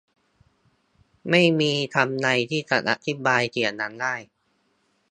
ไม่มีคำไหนที่จะอธิบายเสียงนั้นได้